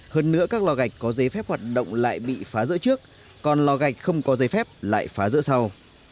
hơn nữa các lò gạch có giấy phép hoạt động lại bị phá rỡ trước còn lò gạch không có giấy phép lại phá giữa sau